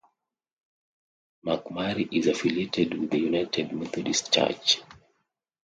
McMurry is affiliated with the United Methodist church.